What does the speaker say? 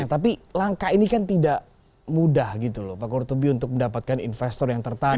tapi langkah ini kan tidak mudah gitu loh pak kurtubi untuk mendapatkan investor yang tertarik